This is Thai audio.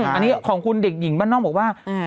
อันนี้ของคุณเด็กหญิงบ้านนอกบอกว่า